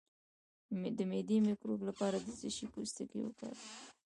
د معدې د مکروب لپاره د څه شي پوستکی وکاروم؟